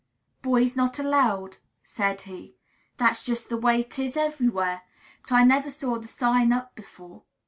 "Boys not allowed!" said he. "That's just the way 'tis everywhere; but I never saw the sign up before.